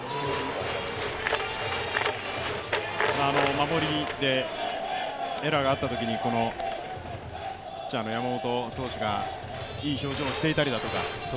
守りでエラーがあったときにピッチャーの山本投手がいい表情をしていたりだとか。